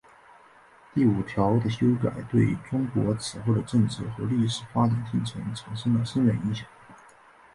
第五条的修改对中国此后的政治和历史发展进程产生了深远影响。